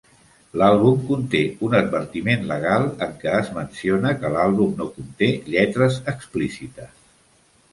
L'àlbum conté un advertiment legal en què es menciona que l'àlbum no conté lletres explícites.